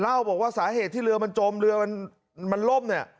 เล่าบอกว่าสาเหตุที่เรือมันจมเรือมันล่มเนี่ย